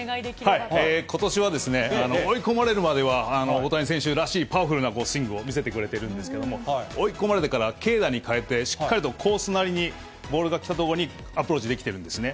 ことしは追い込まれるまでは大谷選手らしいパワフルなスイングを見せてくれているんですけれども、追い込まれてから、軽打に変えて、しっかりとコースなりにボールが来た所にアプローチできてるんですね。